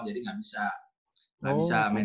jadi gak bisa gak bisa main